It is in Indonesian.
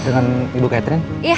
dengan ibu kaitren